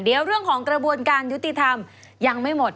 เดี๋ยวเรื่องของกระบวนการยุติธรรมยังไม่หมด